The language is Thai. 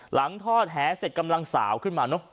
หลังทอดแหเสร็จกำลังสาวขึ้นมาเนอะ